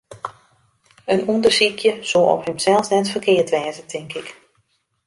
In ûndersykje soe op himsels net ferkeard wêze, tink ik.